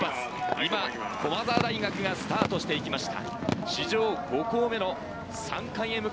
今、駒澤大学がスタートしていきました。